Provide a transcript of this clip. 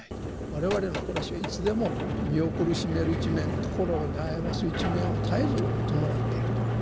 我々の暮らしはいつでも身を苦しめる一面心を悩ます一面を絶えず伴っていると。